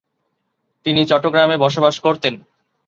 তিনি চট্টগ্রামে বসবাস করতেন।